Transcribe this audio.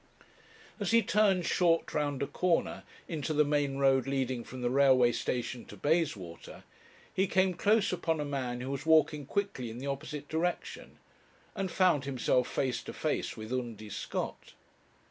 As he turned short round a corner, into the main road leading from the railway station to Bayswater, he came close upon a man who was walking quickly in the opposite direction, and found himself face to face with Undy Scott.